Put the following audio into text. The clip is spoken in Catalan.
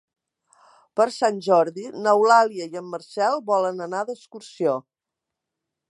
Per Sant Jordi n'Eulàlia i en Marcel volen anar d'excursió.